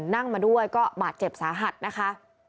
นั่งมาด้วยก็บาดเจ็บสาหัสนะคะ